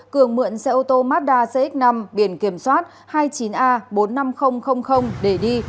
cường mượn xe ô tô mazda cx năm biển kiểm soát hai mươi chín a bốn mươi năm nghìn để đi